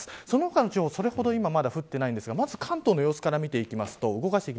その他の地方は、それほど降っていないんですがまず関東の様子から見ていきます。